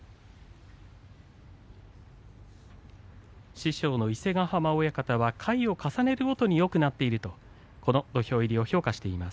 師匠の伊勢ヶ濱親方は回を重ねるごとによくなっているとこの土俵入りを評価しています。